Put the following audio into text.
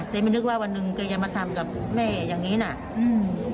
แต่ไม่นึกว่าวันหนึ่งก็จะมาทำกับแม่แบบนี้